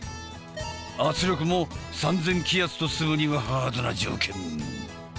圧力も３，０００気圧と住むにはハードな条件。